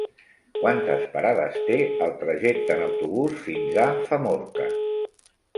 Quantes parades té el trajecte en autobús fins a Famorca?